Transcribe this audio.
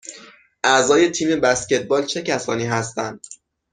اعضای تیم بسکتبال چه کسانی هستند؟